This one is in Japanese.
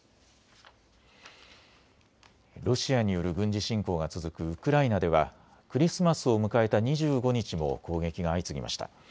ロシアによる軍事侵攻が続くウクライナではクリスマスを迎えた２５日も攻撃が相次ぎました。